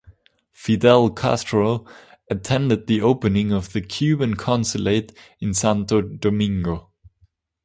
Fidel Castro attended the opening of the Cuban Consulate in Santo Domingo.